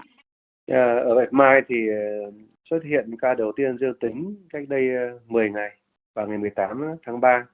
ở bệnh viện bạch mai thì xuất hiện ca đầu tiên dư tính cách đây một mươi ngày vào ngày một mươi tám tháng ba